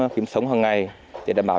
kiếm sống hằng ngày để đảm bảo